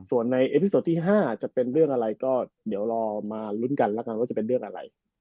ส่วนในเอพิโซที่๕จะเป็นเรื่องอะไรก็เดี๋ยวรอมาลุ้นกันแล้วกันว่าจะเป็นเรื่องอะไร